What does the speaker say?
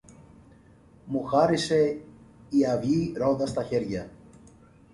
μου χάρισε η αυγή ρόδα στα χέρια.